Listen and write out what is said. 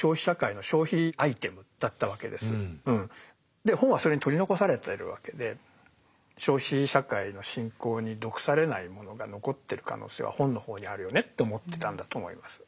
で本はそれに取り残されてるわけで消費社会の進行に毒されないものが残ってる可能性は本の方にあるよねと思ってたんだと思います。